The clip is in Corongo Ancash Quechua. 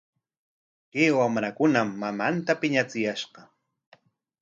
Kay wamrakunam mamanta piñachiyashqa.